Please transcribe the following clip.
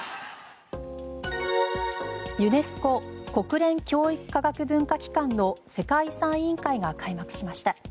ユネスコ・国連教育科学文化機関の世界遺産委員会が開幕しました。